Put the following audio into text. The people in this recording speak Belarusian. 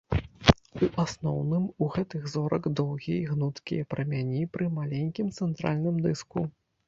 У асноўным у гэтых зорак доўгія і гнуткія прамяні пры маленькім цэнтральным дыску.